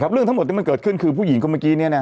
เรื่องทั้งหมดที่มันเกิดขึ้นคือผู้หญิงคนเมื่อกี้